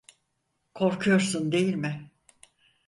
Korkuyorsun, değil mi?